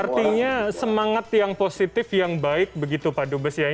artinya semangat yang positif yang baik begitu pak dubes ya